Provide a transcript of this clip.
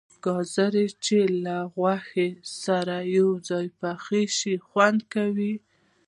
گازرې چې له غوښې سره یو ځای پخې شي خوند کوي.